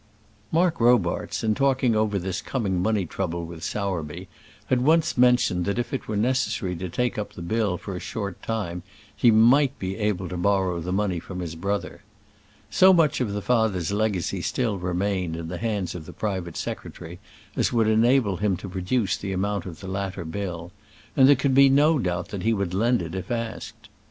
Mark Robarts, in talking over this coming money trouble with Sowerby, had once mentioned that if it were necessary to take up the bill for a short time he might be able to borrow the money from his brother. So much of the father's legacy still remained in the hands of the private secretary as would enable him to produce the amount of the latter bill, and there could be no doubt that he would lend it if asked.